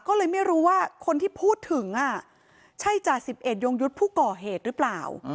ก็เลยไม่รู้ว่าคนที่พูดถึงใช่จ่าสิบเอ็ดยงยุทธ์ผู้ก่อเหตุหรือเปล่า